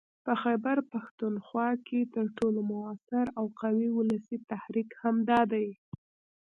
په خيبرپښتونخوا کې تر ټولو موثر او قوي ولسي تحريک همدا دی